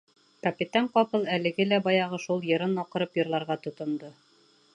Капитан ҡапыл әлеге лә баяғы шул йырын аҡырып йырларға тотондо: